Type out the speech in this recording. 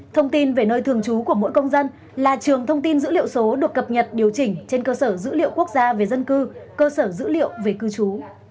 thông tin về nơi thường trú của mỗi công dân là trường thông tin dữ liệu số được cập nhật điều chỉnh trên cơ sở dữ liệu quốc gia về dân cư cơ sở dữ liệu về cư trú